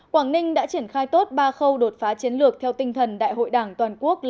quảng ninh đã triển khai tốt ba khâu đột phá chiến lược theo tinh thần đại hội đảng toàn quốc